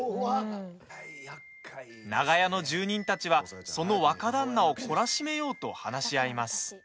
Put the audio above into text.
長屋の住人たちは、その若旦那を懲らしめようと話し合います。